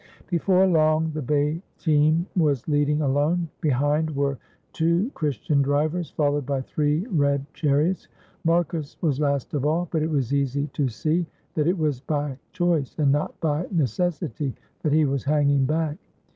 Before long the bay team was leading alone. Behind were two Christian drivers, followed by three red char iots; Marcus was last of all, but it was easy to see that it was by choice and not by necessity that he was hang ing back.